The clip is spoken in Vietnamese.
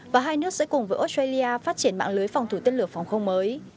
và hai nước sẽ cùng với australia phát triển mạng lưới phòng thủ tên lửa phòng không mới